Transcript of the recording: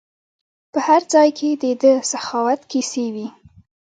په هر ځای کې د ده سخاوت کیسې وي.